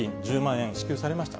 円支給されました。